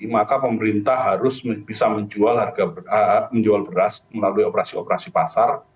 maka pemerintah harus bisa menjual beras melalui operasi operasi pasar